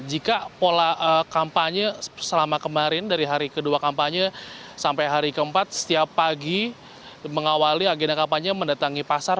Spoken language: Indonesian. jika pola kampanye selama kemarin dari hari kedua kampanye sampai hari keempat setiap pagi mengawali agenda kampanye mendatangi pasar